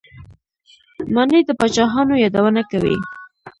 ماڼۍ د پاچاهانو یادونه کوي.